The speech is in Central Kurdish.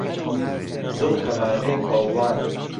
دڵ هەمانەی کۆڵوانە